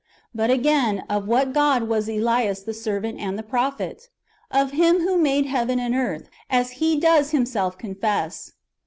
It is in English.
* But, again, of what God was Elias the servant and the prophet ? Of Him who made heaven and earth,^ as he does himself confess.